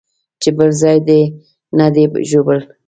چې بل ځاى دې نه دى ژوبل.